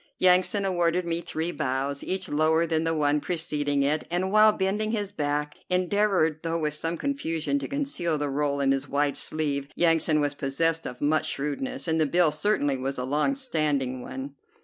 Yansan awarded me three bows, each lower than the one preceding it, and, while bending his back, endeavored, though with some confusion, to conceal the roll in his wide sleeve. Yansan was possessed of much shrewdness, and the bill certainly was a long standing one.